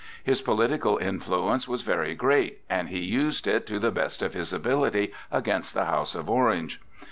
His political influence was very great, and he used it to the best of his ability against the house of Orange.